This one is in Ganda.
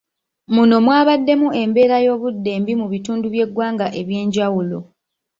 Muno mwabaddemu embeera y'obudde embi mu bitundu by'eggwanga ebyenjawulo.